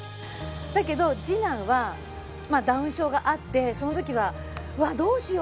だけど次男はダウン症があってその時は、どうしよう